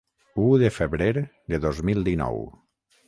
U de febrer de dos mil dinou.